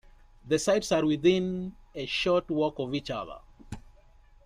The sites are within a short walk of each other.